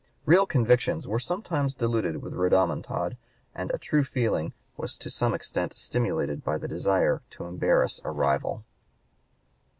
Real convictions were sometimes diluted with rodomontade, and a true feeling was to some extent stimulated by the desire to embarrass a rival.